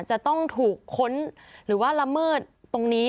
จะต้องถูกค้นหรือว่าละเมิดตรงนี้